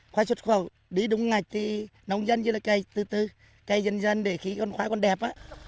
khoai xuất khẩu đi đúng ngạch thì nông dân như là cây dân dân để khí khoai còn đẹp